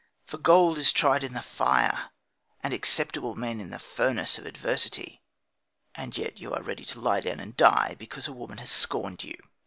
For gold is tried in the fire and acceptable men in the furnace of adversity. And yet you are ready to lie down and die because a woman has scorned you!